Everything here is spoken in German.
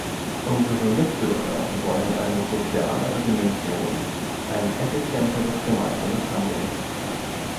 Unsere Mitbürger wollen eine sozialere Dimension, ein effizienteres gemeinsames Handeln.